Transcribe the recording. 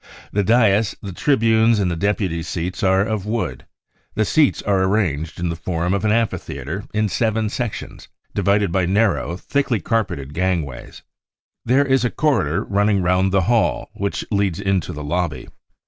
The dais, the tribunes and the deputies 5 seats are of wood. The seats are arranged in the form of an amphi theatre in seven sections, divided by narrow, thickly carpeted gangways. There is a corridor running round the hall which leads into the lobby.